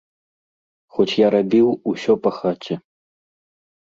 Хоць я рабіў усё па хаце.